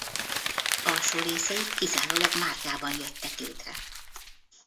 Alsó részei kizárólag márgában jöttek létre.